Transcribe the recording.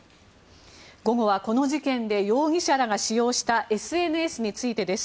午後はこの事件で容疑者らが使用したＳＮＳについてです。